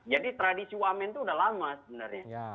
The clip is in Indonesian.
jadi tradisi wamen itu sudah lama sebenarnya